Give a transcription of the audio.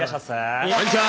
こんにちは。